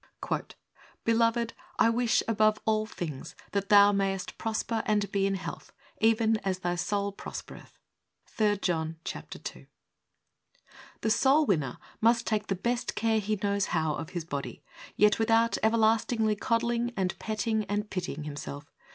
Beloved, I wish above all things that thou mayest prosper, and 6e in health, even as thy soul prospereth. — 3 John 2. The soul winner must take the best care he knows how of his body, yet without everlast ingly cuddling and petting and pitying him self.